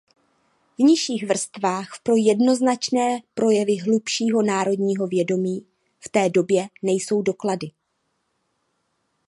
V nižších vrstvách pro jednoznačné projevy hlubšího národního vědomí v té době nejsou doklady.